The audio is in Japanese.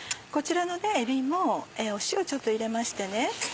こちらのえびも塩をちょっと入れまして。